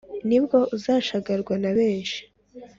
nibwo uzashagarwa na benshi